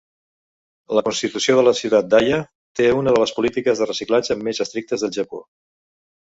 La constitució de la ciutat d'Aya té una de las polítiques de reciclatge més estrictes del Japó.